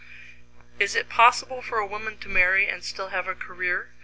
_ Is it possible for a woman to marry and still have a career?